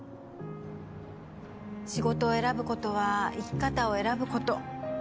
仕事を選ぶことは生き方を選ぶこと。